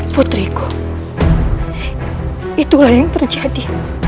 putriku itulah yang terjadi